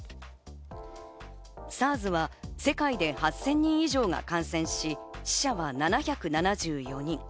ＳＡＲＳは世界で８０００人以上が感染し、死者は７７４人。